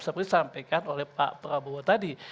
seperti disampaikan oleh pak prabowo tadi